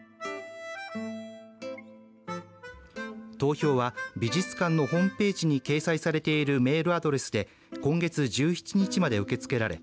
投票は美術館のホームページに掲載されているメールアドレスで今月１７日まで受け付けられ